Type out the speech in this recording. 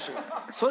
それ。